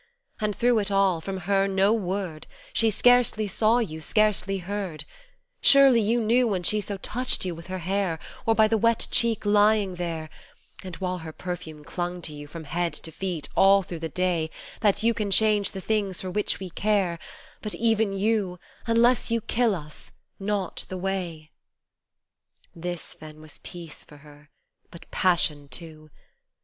And through it all , from her, no word, She scarcely saw You, scarcely heard : Surely You knew when she so touched You with her hair, Or by the wet cheek lying there, And while her perfume clung to You from head to feet all through the day That You can change the things for which we care, But even You, unless You kill us, not the way. This, then was peace for her, but passion too.